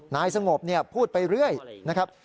นายสงบพูดไปเรื่อยนะครับ